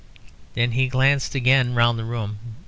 Then he glanced again round the room.